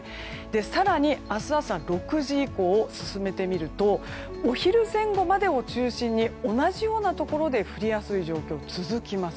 更に、明日朝６時以降に進めてみるとお昼前後までを中心に同じようなところで降りやすい状況が続きます。